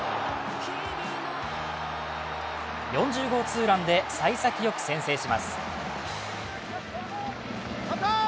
４０号ツーランでさい先よく先制します。